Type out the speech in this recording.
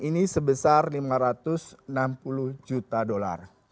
ini sebesar lima ratus enam puluh juta dolar